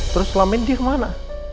terus selama ini dia kemana